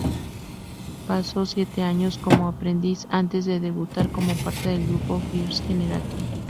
Pasó siete años como aprendiz antes de debutar como parte del grupo Girls' Generation.